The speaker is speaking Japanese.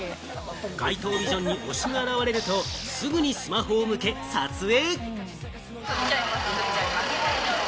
街頭ビジョンに推しが現れると、すぐにスマホを向け撮影。